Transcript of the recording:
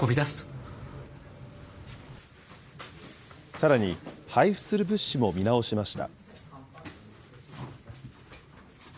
さらに、配布する物資も見直しました。